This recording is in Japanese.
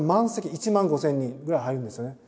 １万５，０００人ぐらい入るんですよね。